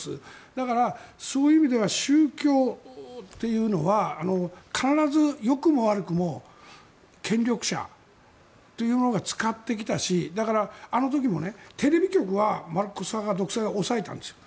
だから、そういう意味では宗教というのは必ず、よくも悪くも権力者というものが使ってきたしだから、あの時もテレビ局はマルコス派が、独裁派が抑えたんですよ。